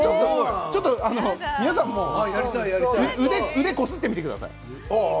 皆さんも腕こすってみてください。